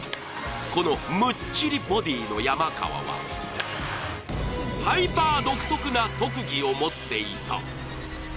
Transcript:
このむっちりボディーの山川はハイパー独特な特技を持っていた。